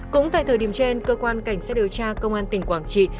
cũng tại thời điểm trên cơ quan cảnh sát điều tra công an tỉnh quảng trị